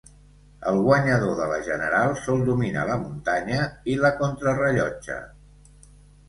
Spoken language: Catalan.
El guanyador de la general sol dominar la muntanya i la contra rellotge.